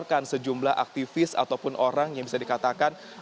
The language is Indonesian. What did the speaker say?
bahkan sejumlah aktivis ataupun orang yang bisa dikatakan